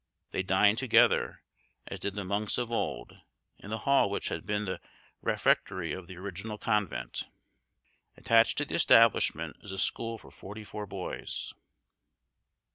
They dine together, as did the monks of old, in the hall which had been the refectory of the original convent. Attached to the establishment is a school for forty four boys.